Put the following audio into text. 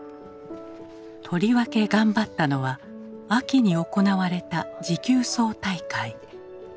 とりわけ頑張ったのは秋に行われた持久走大会。